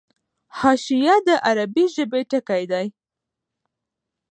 حاشیه د عربي ژبي ټکی دﺉ.